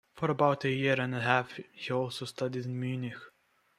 For about a year and a half he also studied in Munich.